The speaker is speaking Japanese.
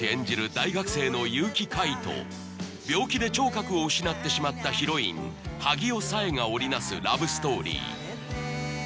大学生の結城櫂と病気で聴覚を失ってしまったヒロイン萩尾沙絵が織りなすラブストーリー